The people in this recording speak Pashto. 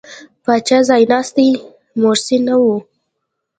پاچا ځایناستی مورثي نه و.